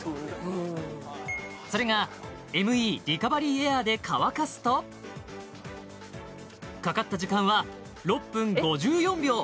うんそれがＭＥリカバリーエアーで乾かすとかかった時間は６分５４秒